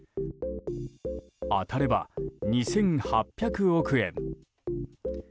当たれば２８００億円。